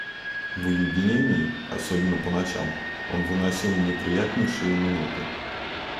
В уединении, особенно по ночам, он выносил неприятнейшие минуты.